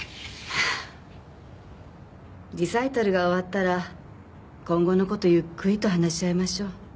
リサイタルが終わったら今後の事ゆっくりと話し合いましょう。